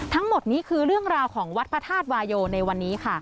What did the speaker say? ทั้งหมดนี้คือเรื่องราวของวัดพระธาตุวายโยในวันนี้ค่ะ